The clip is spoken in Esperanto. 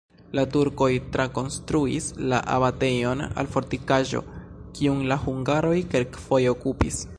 La turkoj trakonstruis la abatejon al fortikaĵo, kiun la hungaroj kelkfoje okupis.